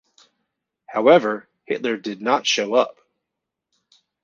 However, Hitler did not show up.